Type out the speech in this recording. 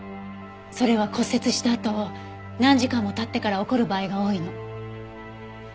それは骨折したあと何時間も経ってから起こる場合が多いの。